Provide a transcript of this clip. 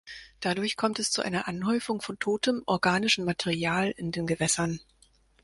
Dadurch kommt es zu einer Anhäufung von totem organischen Material in den Gewässern.